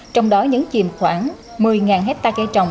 trong đó nhấn chìm khoảng một mươi hectare cây trồng